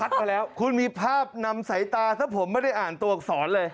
มาแล้วคุณมีภาพนำสายตาถ้าผมไม่ได้อ่านตัวอักษรเลย